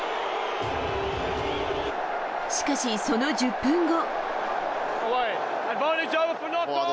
しかし、その１０分後。